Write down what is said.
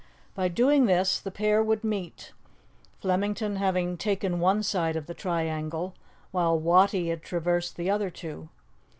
By doing this the pair would meet, Flemington having taken one side of the triangle, while Wattie had traversed the other two.